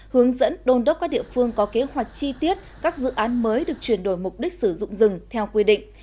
hướng dẫn đôn đốc các địa phương có kế hoạch chi tiết các dự án mới được chuyển đổi mục đích sử dụng rừng theo quy định